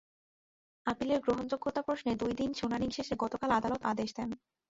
আপিলের গ্রহণযোগ্যতা প্রশ্নে দুই দিন শুনানি শেষে গতকাল আদালত আদেশ দেন।